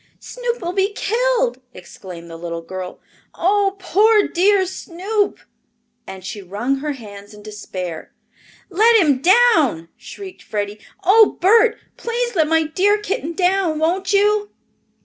"Snoop will be killed!" exclaimed the little girl. "Oh, poor dear Snoop!" and she wrung her hands in despair. "Let him down!" shrieked Freddie. "Oh, Bert, please let my dear kitten down, won't you?"